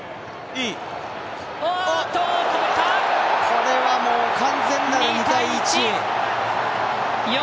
これは完全なる２対１。